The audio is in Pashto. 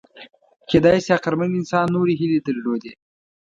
کېدای شي عقلمن انسان نورې هیلې درلودې.